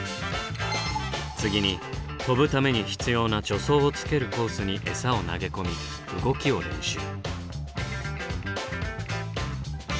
次に跳ぶために必要な助走をつけるコースにエサを投げ込み動きを練習。